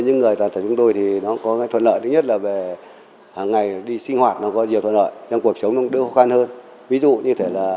hằng ngày đi lại để